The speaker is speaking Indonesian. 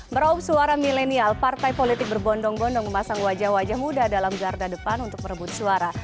meraup suara milenial partai politik berbondong bondong memasang wajah wajah muda dalam garda depan untuk merebut suara